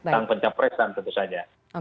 tidak pencapresan tentu saja